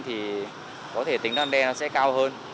thì có thể tính tăng đê nó sẽ cao hơn